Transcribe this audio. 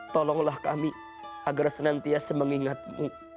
tolonglah kami agar senantiasa mengingatmu